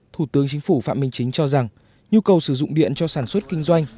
thủ tướng chính phủ phạm minh chính cho rằng nhu cầu sử dụng điện cho sản xuất kinh doanh